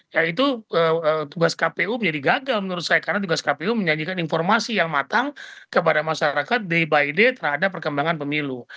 ya itu tugas kpu menjadi gagal menurut saya karena tugas kpu menyajikan informasi yang matang kepada masyarakat day by day terhadap perkembangan pemilu